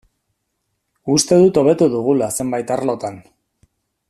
Uste dut hobetu dugula zenbait arlotan.